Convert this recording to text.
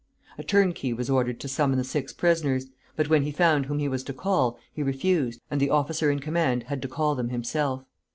A turnkey was ordered to summon the six prisoners; but when he found whom he was to call, he refused, and the officer in command had to call them himself.